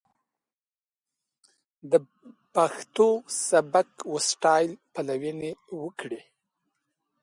د پښتو سبک و سټايل پليوني وکړي.